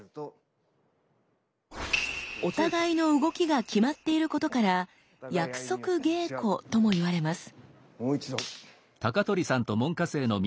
お互いの動きが決まっていることから「約束稽古」とも言われます。